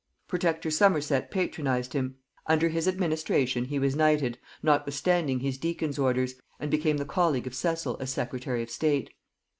Protector Somerset patronized him: under his administration he was knighted notwithstanding his deacon's orders, and became the colleague of Cecil as secretary of state.